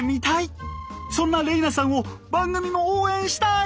そんな玲那さんを番組も応援したい！